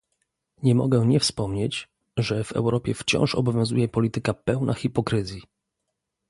Nie mogę nie wspomnieć, że w Europie wciąż obowiązuje polityka pełna hipokryzji